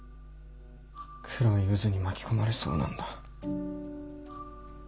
黒い渦に巻き込まれそうなんだ。